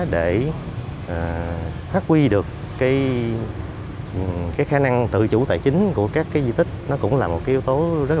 để phát huy được cái khả năng tự chủ tài chính của các cái di tích nó cũng là một cái yếu tố rất